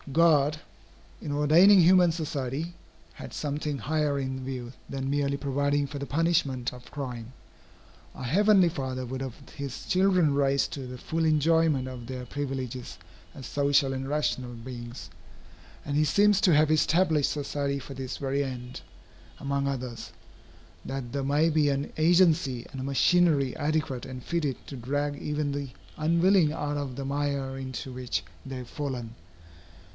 God, in ordaining human society, had something higher in view than merely providing for the punishment of crime. Our Heavenly Father would have his children raised to the full enjoyment of their privileges as social and rational beings, and he seems to have established society for this very end, among others, that there may be an agency and a machinery adequate and fitted to drag even the unwilling out of the mire into which they have fallen.